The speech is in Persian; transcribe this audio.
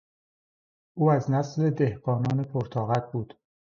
او از نسل دهقانان پر طاقت بود.